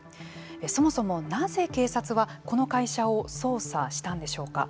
そもそも、なぜ警察はこの会社を捜査したんでしょうか。